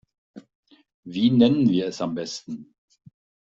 Wie nennen wir es am besten?